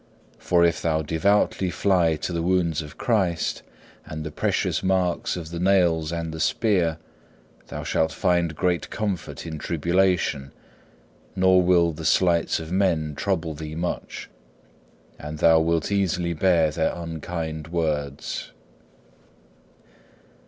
For if thou devoutly fly to the wounds of Jesus, and the precious marks of the nails and the spear, thou shalt find great comfort in tribulation, nor will the slights of men trouble thee much, and thou wilt easily bear their unkind words.